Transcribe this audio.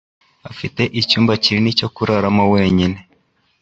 Afite icyumba kinini cyo kuraramo wenyine